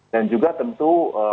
dan juga tentu